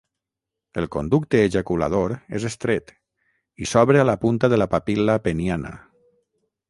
El conducte ejaculador és estret i s'obre a la punta de la papil·la peniana.